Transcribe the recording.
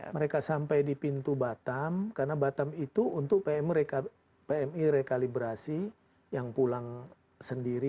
mereka sampai di pintu batam karena batam itu untuk pmi rekalibrasi yang pulang sendiri